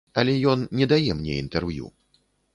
Але ён не дае мне інтэрв'ю.